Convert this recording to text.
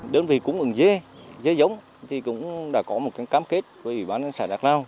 đơn vị cung ứng dê dê giống thì cũng đã có một cái cam kết với ủy ban nhân sả đắk plao